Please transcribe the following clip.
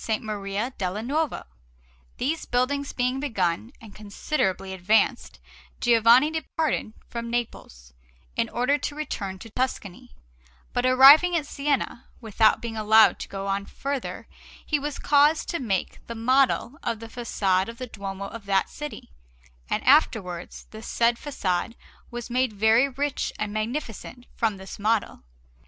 Maria della Nuova. These buildings being begun and considerably advanced, Giovanni departed from Naples, in order to return to Tuscany; but arriving at Siena, without being allowed to go on farther he was caused to make the model of the façade of the Duomo of that city, and afterwards the said façade was made very rich and magnificent from this model.